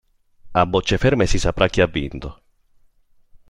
A bocce ferme si saprà chi ha vinto.